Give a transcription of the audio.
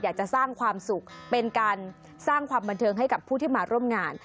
อยากจะสร้างความสุขเป็นการสร้างความบันเทิงให้กับผู้ที่มาร่วมงาน